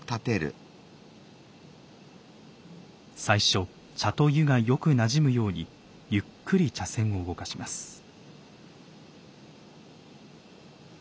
最初茶と湯がよくなじむようにゆっくり茶筅を動かします。